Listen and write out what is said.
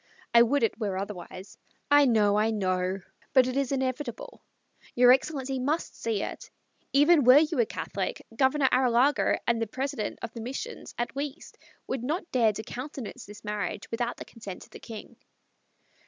I would it were otherwise. I know I know but it is inevitable. Your excellency must see it. Even were you a Catholic, Governor Arrillaga and the President of the Missions, at least, would not dare to countenance this marriage without the consent of the King."